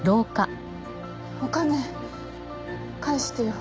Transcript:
お金返してよ。